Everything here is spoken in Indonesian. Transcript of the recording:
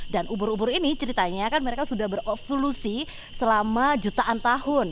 dan ubur ubur ini ceritanya kan mereka sudah berokslusi selama jutaan tahun